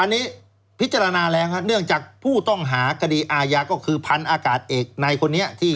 อันนี้พิจารณาแล้วครับเนื่องจากผู้ต้องหาคดีอาญาก็คือพันอากาศเอกในคนนี้ที่